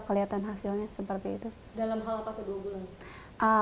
kulit terasa lebih lembut halus dan lembab